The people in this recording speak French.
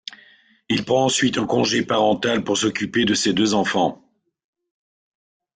Il prend ensuite un congé parental pour s’occuper de ses deux enfants.